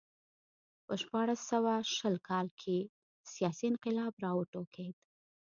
په شپاړس سوه شل کال کې سیاسي انقلاب راوټوکېد.